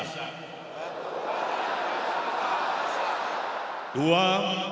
ketuhanan yang maha esa